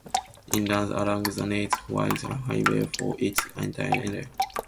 It runs along the Nate Whipple Highway for its entire length.